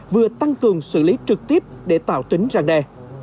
vừa tăng cường xử lý trực tiếp để tạo tính răng đe